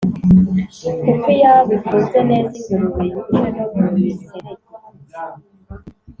Kuko iyabo ifunze neza; Ingurube yuje no mu miserege,